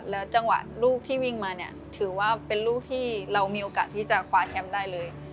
แล้วจังหวะลูกที่วิ่งมาเนี่ยถือว่าเป็นลูกที่เรามีโอกาสที่จะคว้าแชมป์ได้เลย